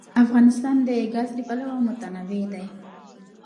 افغانستان د ګاز له پلوه متنوع دی.